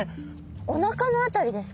おなかの辺りですか？